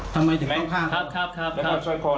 ทำไมถึงค่าข้างหนึ่ง